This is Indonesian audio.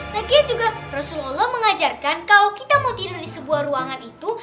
nah dia juga rasulullah mengajarkan kalau kita mau tidur di sebuah ruangan itu